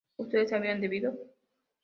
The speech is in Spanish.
¿Ustedes habían bebido?